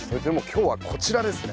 今日はこちらですね。